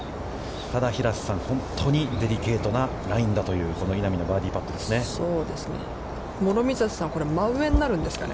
ただ、平瀬さん、本当にデリケートなラインだという稲見のバーディーパットですね。